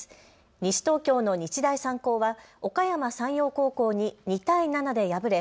西東京の日大三高はおかやま山陽高校に２対７で敗れ